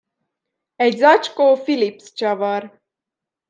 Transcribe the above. Egy zacskó Philips csavar.